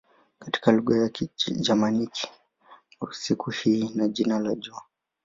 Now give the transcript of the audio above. Katika lugha za Kigermanik siku hii ina jina la "jua".